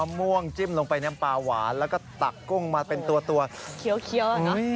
ผมกินแต่กุ้งอย่างเดียวเลย